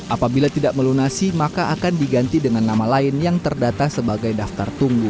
apabila tidak melunasi maka akan diganti dengan nama lain yang terdata sebagai daftar tunggu